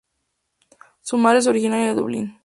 Su madre es originaria de Dublín.